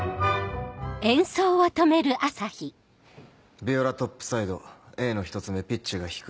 ヴィオラトップサイドＡの１つ目ピッチが低い。